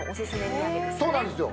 そうなんですよ